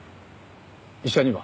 医者には？